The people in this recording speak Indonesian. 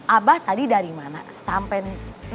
abah tadi dari mana sampai neng telfon